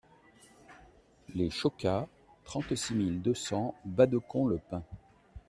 Les Chocats, trente-six mille deux cents Badecon-le-Pin